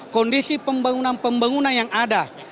kondisi pembangunan pembangunan yang ada